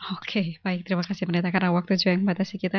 oke baik terima kasih pendeta karena waktu juga yang membatasi kita